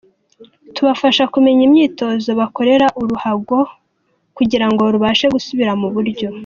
Tubafasha kumenya imyitozo bakorera uruhago kugira ngo rubashe gusubira mu buryo.